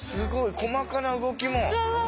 細かな動きも！